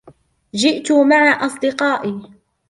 جئت مع أصدقائي.